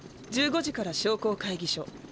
１５時から商工会ぎ所。